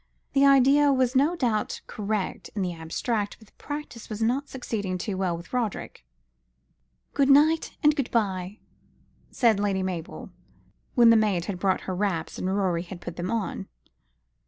The idea was no doubt correct in the abstract; but the practice was not succeeding too well with Roderick. "Good night and good bye," said Lady Mabel, when the maid had brought her wraps, and Rorie had put them on.